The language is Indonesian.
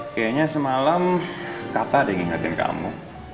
kayaknya semalam kakak ada yang ingatin kamu